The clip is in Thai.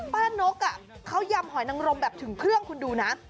นกเขายำหอยนังรมแบบถึงเครื่องคุณดูนะ